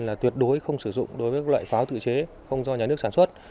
là tuyệt đối không sử dụng đối với loại pháo tự chế không do nhà nước sản xuất